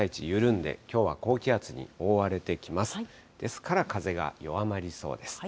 ですから、風が弱まりそうです。